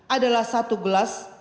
adalah satu gelas